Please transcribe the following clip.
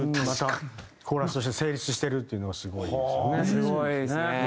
またコーラスとして成立してるっていうのがすごいですよね。